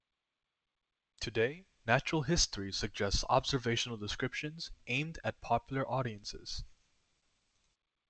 Today, "natural history" suggests observational descriptions aimed at popular audiences.